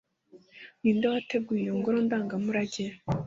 ninde wateguye iyo ngoro ndangamurage